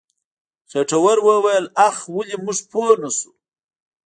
خېټور وويل اخ ولې موږ پوه نه شو.